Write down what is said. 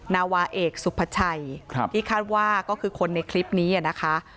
นาวาเอกสุภาชัยที่คาดว่าก็คือคนในคลิปนี้นะคะ